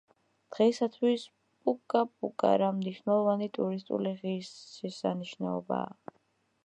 დღეისათვის პუკა-პუკარა მნიშვნელოვანი ტურისტული ღირსშესანიშნაობაა.